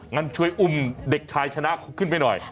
งั้นช่วยอุ้มเด็กชายชนะขึ้นไปหน่อย